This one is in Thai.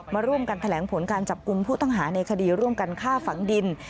มาร่วมกันแถลงผลการจับกลุ่มผู้ต้องหาในคดีร่วมกันฆ่าฝังดิน